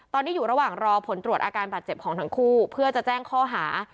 ตอนนี้อยู่ระหว่างรอผลตรวจอาการบาดเจ็บของทั้งคู่เพื่อจะแจ้งข้อหา